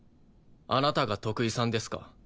あなたが徳井さんですか？